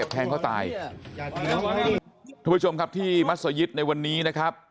ทุกผู้ชมครับที่มักสยิตในวันนี้นะครับ